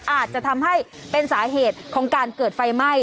อาจจะทำให้เป็นสาเหตุของการเกิดไฟไหม้